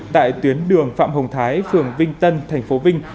tại tuyến đường phạm hồng thái phường vinh tân thành phố vinh